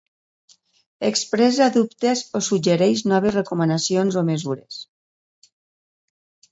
Expressa dubtes o suggereix noves recomanacions o mesures.